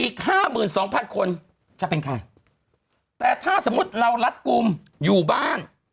ห้าหมื่นสองพันคนจะเป็นใครแต่ถ้าสมมุติเรารัดกลุ่มอยู่บ้าน